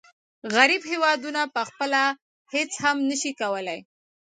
غریب هېوادونه پخپله هیڅ هم نشي کولای.